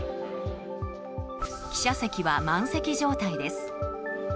記者席は満席状態です。